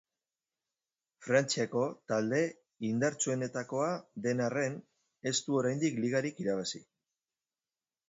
Frantziako talde indartsuenetakoa den arren ez du oraindik ligarik irabazi.